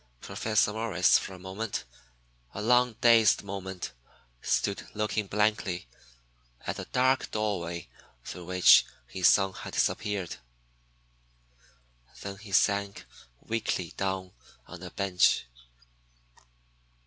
Professor Morris for a moment, a long, dazed moment, stood looking blankly at the dark doorway through which his son had disappeared. Then he sank weakly down on a bench.